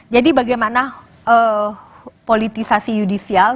jadi bagaimana politisasi yudisial